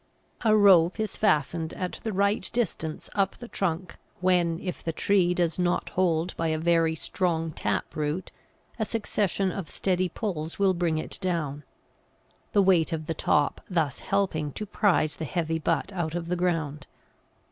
A rope is fastened at the right distance up the trunk, when, if the tree does not hold by a very strong tap root, a succession of steady pulls will bring it down; the weight of the top thus helping to prise the heavy butt out of the ground.